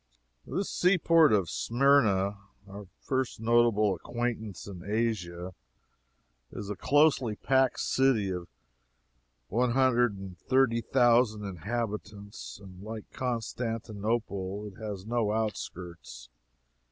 This seaport of Smyrna, our first notable acquaintance in Asia, is a closely packed city of one hundred and thirty thousand inhabitants, and, like Constantinople, it has no outskirts.